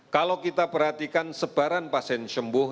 kalau kita perhatikan sebaran pasien sembuh